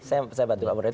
saya bantu pak murni